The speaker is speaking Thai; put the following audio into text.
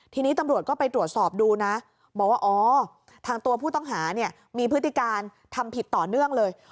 ทีนี้ตำรวจก็ไปตรวจสอบดูนะบอกว่าอ๋อทางตัวผู้ต้องหาเนี่ยมีพฤติการทำผิดต่อเนื่องเลย